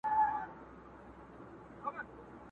دا د باروتو د اورونو کیسې.!